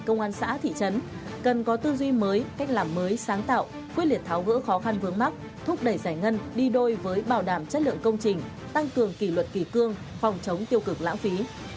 công an xã thị trấn cần có tư duy mới cách làm mới sáng tạo quyết liệt tháo gỡ khó khăn vướng mắt thúc đẩy giải ngân đi đôi với bảo đảm chất lượng công trình tăng cường kỷ luật kỳ cương phòng chống tiêu cực lãng phí